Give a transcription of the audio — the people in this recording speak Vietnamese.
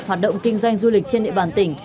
hoạt động kinh doanh du lịch trên địa bàn tỉnh